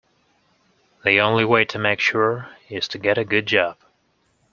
The only way to make sure is to get a good job